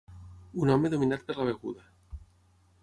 Un home dominat per la beguda.